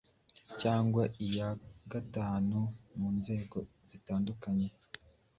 cyangwa iya gatatu mu nzego zitandukanye